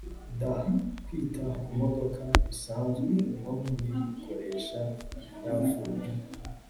d Kwita ku modoka bisanzwe no kuyikoresha yapfuye